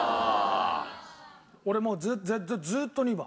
俺もうずーっと２番。